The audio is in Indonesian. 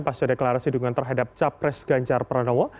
pasca deklarasi dukungan terhadap capres ganjar pranowo